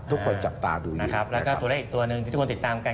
ทุกคนจับตาดูนะครับแล้วก็ตัวเลขอีกตัวหนึ่งที่ทุกคนติดตามกัน